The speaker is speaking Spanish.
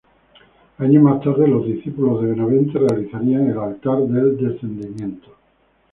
Años más tarde, los discípulos de Benavente realizarían el altar del Descendimiento.